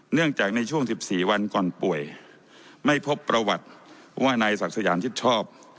เนื่องจากในช่วง๑๔วันก่อนป่วยไม่พบประวัติว่านายศักดิ์สยามชิดชอบ